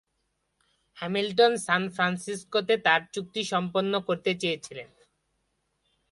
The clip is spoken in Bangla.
হ্যামিলটন সান ফ্রান্সিসকোতে তার চুক্তি সম্পন্ন করতে চেয়েছিলেন।